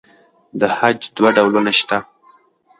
د خج دوه ډولونه شته.